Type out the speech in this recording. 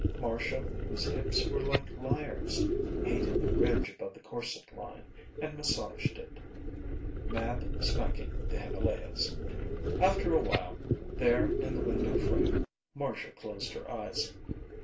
Marcia, whose hips were like lyres, hated the ridge above the corset line and massaged it. Mab smacking the Himalayas. After a while, there in the window frame, Marcia closed her eyes.